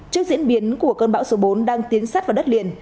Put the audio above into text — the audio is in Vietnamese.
trước diễn biến của cơn bão số bốn đang tiến sát vào đất liền